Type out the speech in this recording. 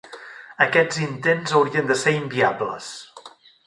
Aquests intents haurien de ser inviables.